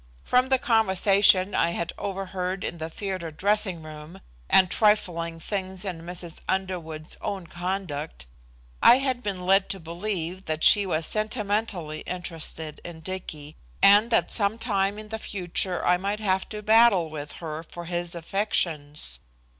From the conversation I had overheard in the theatre dressing room and trifling things in Mrs. Underwood's own conduct, I had been led to believe that she was sentimentally interested in Dicky, and that some time in the future I might have to battle with her for his affections.